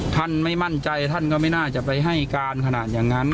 ท่านไม่มั่นใจท่านก็ไม่น่าจะไปให้การขนาดอย่างนั้น